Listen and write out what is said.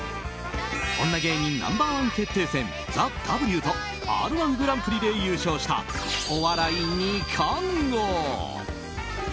「女芸人Ｎｏ．１決定戦ＴＨＥＷ」と「Ｒ‐１ぐらんぷり」で優勝したお笑い二冠王。